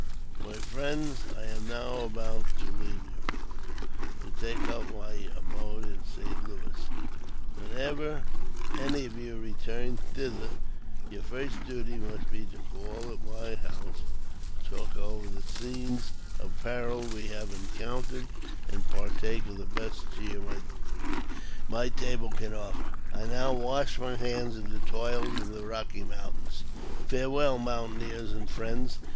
*' My friends ! I am now about to leave you, to take up my abode in St. Louis. Whenever any of you return thither, your first duty must be to call at my house, to talk over the scenes of peril we have encountered, and partake of the best cheer my table can afford you. " I now wash my hands of the toils of the Eocky Moun tains. Farewell, mountaineers and friends